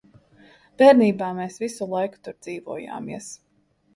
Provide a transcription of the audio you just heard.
Bērnībā mēs visu laiku tur dzīvojāmies.